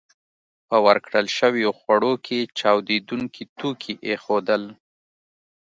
په ورکړل شويو خوړو کې چاودېدونکي توکي ایښودل